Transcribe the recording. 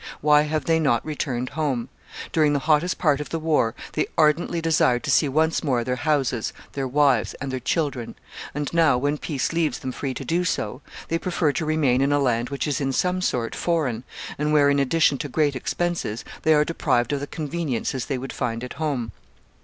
Why have they not returned home? During the hottest part of the war, they ardently desired to see once more their houses, their wives, and their children; and now, when peace leaves them free to do so, they prefer to remain in a land which is in some sort foreign, and where, in addition to great expenses, they are deprived of the conveniences they would find at home.